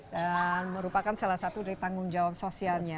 dan merupakan salah satu dari tanggung jawab sosialnya